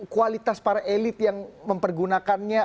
kualitas para elit yang mempergunakannya